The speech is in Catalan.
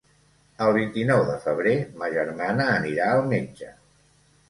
El vint-i-nou de febrer ma germana anirà al metge.